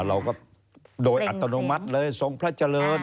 เราก็โดยอัตโนมัติเลยทรงพระเจริญ